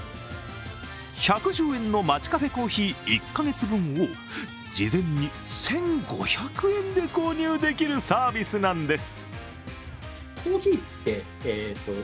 １１０円のマチカフェコーヒー１か月分を事前に１５００円で購入できるサービスなんです。